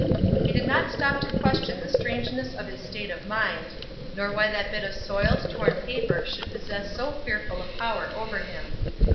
He did not stop to question the strangeness of his state of mind, nor why that bit of soiled, torn paper should possess so fearful a power over him.